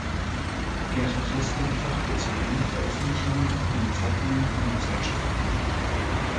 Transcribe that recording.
Er verfasst fachbezogene Veröffentlichungen in Zeitungen und Zeitschriften.